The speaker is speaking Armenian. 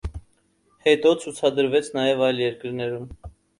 Հետո ցուցադրվեց նաև այլ երկրներում։